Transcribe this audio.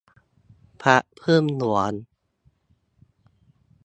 พรรคผึ้งหลวง